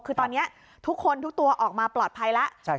คือตอนนี้ทุกคนทุกตัวออกมาปลอดภัยแล้ว